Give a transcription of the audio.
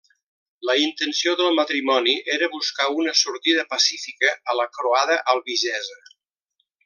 La intenció del matrimoni era buscar una sortida pacífica a la Croada albigesa.